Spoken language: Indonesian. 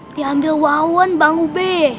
diambil wawon bang ube